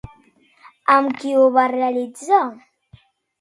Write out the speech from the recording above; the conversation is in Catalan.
Amb qui ho va realitzar?